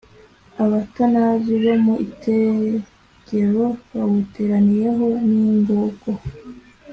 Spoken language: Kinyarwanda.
Abatanazi bo mu itegero bawuteraniyeho n’ingogo,